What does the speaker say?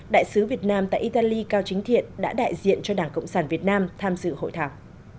đại sứ việt nam tại italy cao chính thiện đã đại diện cho đảng cộng sản việt nam tham dự hội thảo